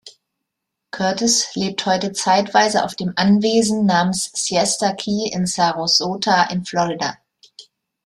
Curtis lebt heute zeitweise auf dem Anwesen namens Siesta Key in Sarasota in Florida.